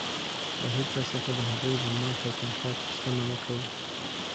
له هېچا څخه د هغوى د معاش او تنخوا پوښتنه مه کوئ!